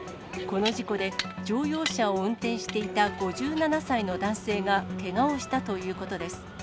この事故で、乗用車を運転していた５７歳の男性がけがをしたということです。